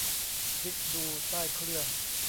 พลิกดูใต้เครื่อง